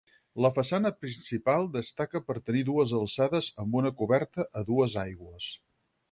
La façana principal destaca per tenir dues alçades amb una coberta a dues aigües.